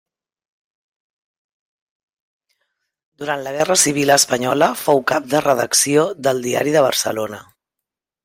Durant la guerra civil espanyola fou cap de redacció del Diari de Barcelona.